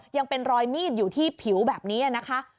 ยังเป็นรอยมีดอยู่ที่ผิวแบบนี้นะคะ